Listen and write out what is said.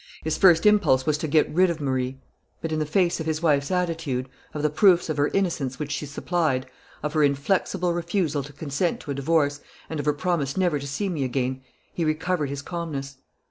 His first impulse was to get rid of Marie. But in the face of his wife's attitude, of the proofs of her innocence which she supplied, of her inflexible refusal to consent to a divorce, and of her promise never to see me again, he recovered his calmness....